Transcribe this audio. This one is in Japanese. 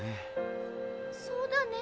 そうだね。